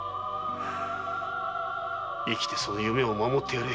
生きてその夢を守ってやれ。